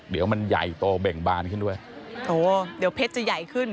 เดี๋ยวมันใหญ่โตเบ่งบานขึ้นด้วยโอ้เดี๋ยวเพชรจะใหญ่ขึ้น